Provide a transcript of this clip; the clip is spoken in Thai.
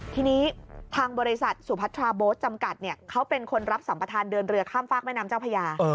ทีนี้ทางบริษัทสุพัทราโบสต์จำกัดเขาเป็นคนรับสัมประธานเดินเรือข้ามฝากแม่น้ำเจ้าพญา